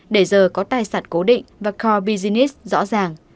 để giờ có tài sản cố định và coru business rõ ràng